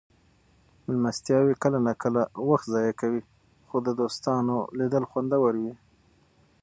مېلمستیاوې کله ناکله وخت ضایع کوي خو د دوستانو لیدل خوندور وي.